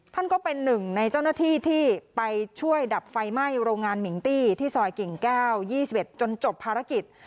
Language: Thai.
ท่านก็เป็นหนึ่งในเจ้าหน้าที่ที่ไปช่วยดับไฟไหม้โรงงานมิงตี้ที่ซอยกิ่งแก้ว๒๑จนจบภารกิจ